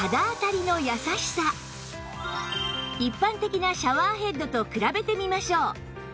一般的なシャワーヘッドと比べてみましょう